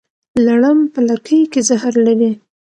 لړم په لکۍ کې زهر لري